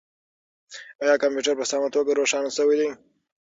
آیا کمپیوټر په سمه توګه روښانه شوی دی؟